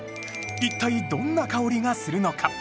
一体どんな香りがするのか？